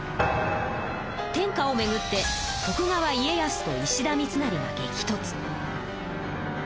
天下をめぐって徳川家康と石田三成が激とつ。